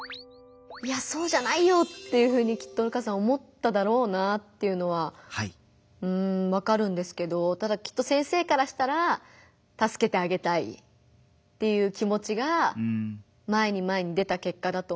いやそうじゃないよっていうふうにきっと瑠花さん思っただろうなっていうのはわかるんですけどただきっと先生からしたらたすけてあげたいっていう気持ちが前に前に出た結果だと思いますし。